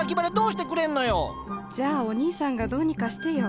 じゃあおにいさんがどうにかしてよ。